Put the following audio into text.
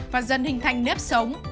và dân hình thành nếp sống